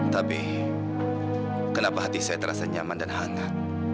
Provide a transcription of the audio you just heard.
tapi kenapa hati saya terasa nyaman dan hangat